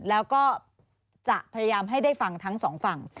แล้วก็จะพยายามให้ได้ฟังทั้งสองฝั่ง